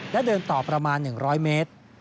และเดินต่อประมาณ๑๐๐เมตร